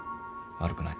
悪くない。